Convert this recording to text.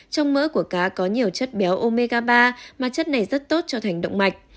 trong mỡ của cá có nhiều chất béo omega ba mà chất này rất tốt cho thành động mạch